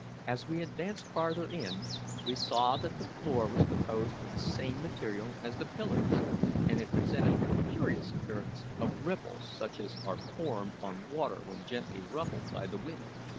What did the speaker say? As we advanced farther in we saw that the floor was composed of the same material as the pillars, and it presented the curious appearance of ripples such as are formed on water when gently ruffled by the wind.